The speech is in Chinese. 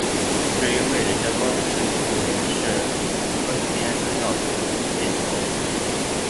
至于位置较高的山顶公园是柯士甸山道的尽头。